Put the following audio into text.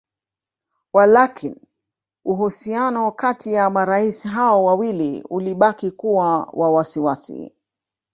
Walakini uhusiano kati ya marais hao wawili ulibaki kuwa wa wasiwasi